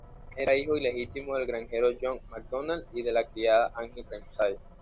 Era hijo ilegítimo del granjero John MacDonald y de la criada Anne Ramsay.